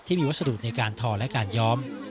วัสดุในการทอและการย้อม